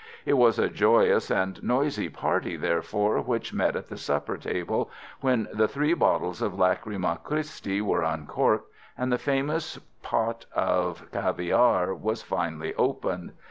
It was a joyous and noisy party, therefore, which met at the supper table, when the three bottles of Lachryma Christi were uncorked and the famous port of caviare was finally opened.